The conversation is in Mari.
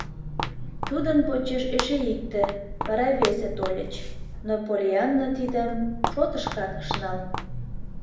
Тудын почеш эше икте, вара весе тольыч, но Поллианна тидым шотышкат ыш нал.